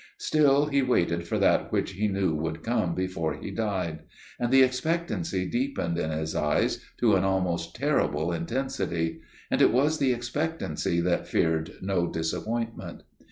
Still he waited for that which he knew would come before he died. And the expectancy deepened in his eyes to an almost terrible intensity; and it was the expectancy that feared no disappointment.